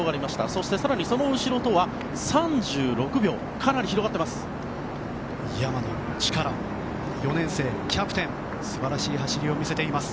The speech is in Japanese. そして更にその後ろとは３６秒かなり広がっています。